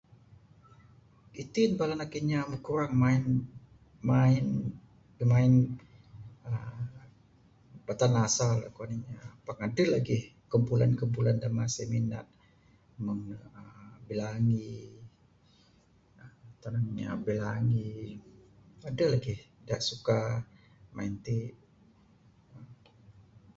Iti ne bala anak kinya moh kurang main, main, pimain uhh.., batang asal kuwan inya. Pak aduh lagi kumpulan-kumpulan da masih minat, mung uhh.. bilangi, [uhh]..tanang inya bilangi, aduh lagi da suka main ti.